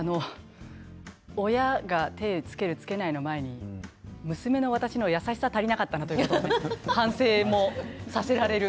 親が手をつけるつけないの前に娘の私の優しさが足りなかったなということで反省もさせられる。